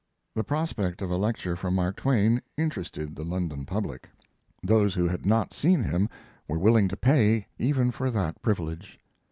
The prospect of a lecture from Mark Twain interested the London public. Those who had not seen him were willing to pay even for that privilege.